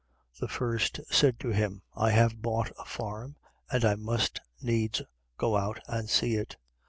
The first said to him: I have bought a farm and I must needs go out and see it.